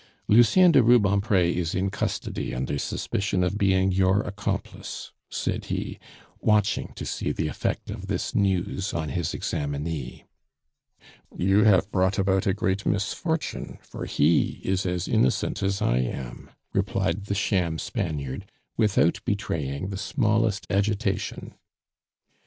"Lucien de Rubempre is in custody under suspicion of being your accomplice," said he, watching to see the effect of this news on his examinee. "You have brought about a great misfortune, for he is as innocent as I am," replied the sham Spaniard, without betraying the smallest agitation.